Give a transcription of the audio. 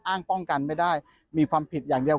อ้างป้องกันไม่ได้มีความผิดอย่างเดียว